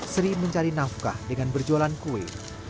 sri mencari nafkah dengan berjualan kue